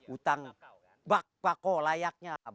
utang bakau layaknya